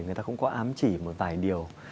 người ta cũng có ám chỉ một vài điều